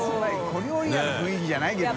小料理屋の雰囲気じゃないけどね。